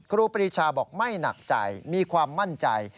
ครูปรีชาบอกไม่หนักใจมีความมั่นใจ